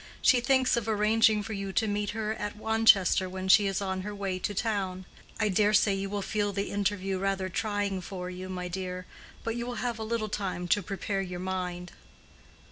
She thinks of arranging for you to meet her at Wanchester when she is on her way to town. I dare say you will feel the interview rather trying for you, my dear; but you will have a little time to prepare your mind."